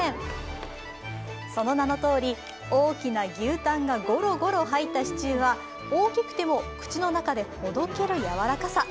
その名のとおり、大きな牛たんがゴロゴロ入ったシチューは、大きくても口の中でほどける柔らかさ。